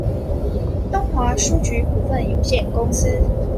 東華書局股份有限公司